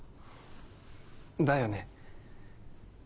だよね。